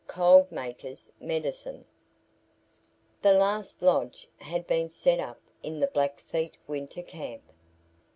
COLD MAKER'S MEDICINE The last lodge had been set up in the Blackfeet winter camp.